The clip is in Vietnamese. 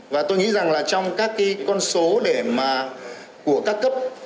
và tôi nghĩ rằng là trong các cái con số để mà của các cấp